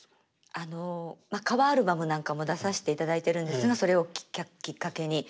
あのまあカバーアルバムなんかも出させていただいてるんですがそれをきっかけに。